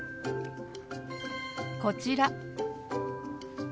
こちら。